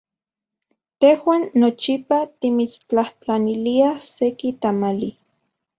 Tejuan nochipa timitstlajtlaniliaj seki tamali.